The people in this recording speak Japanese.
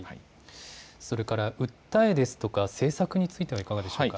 それから訴えですとか政策についてはいかがでしょうか。